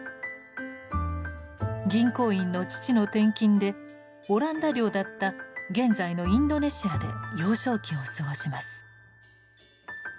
銀行員の父の転勤でオランダ領だった現在のインドネシアで幼少期を過ごします。